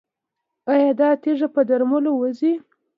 ایا دا تیږه په درملو وځي؟